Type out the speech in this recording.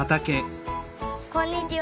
こんにちは。